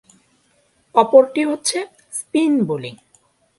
অপরটি হচ্ছে spin bowling.